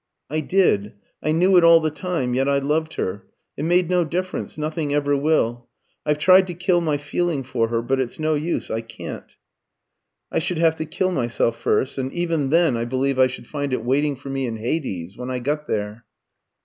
"I did. I knew it all the time; yet I loved her. It made no difference nothing ever will. I've tried to kill my feeling for her, but it's no use I can't. I should have to kill myself first; and even then I believe I should find it waiting for me in Hades when I got there."